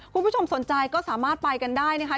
คุณผู้ชมสนใจก็สามารถไปกันได้นะคะ